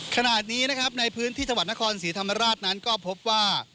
ขณะนี้นะครับในพื้นที่จังหวัดนครศรีธรรมราชนั้นก็พบว่า